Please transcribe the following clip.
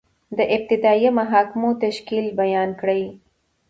د ابتدائیه محاکمو تشکیل بیان کړئ؟